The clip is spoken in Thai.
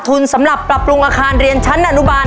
สำหรับปรับปรุงอาคารเรียนชั้นอนุบาล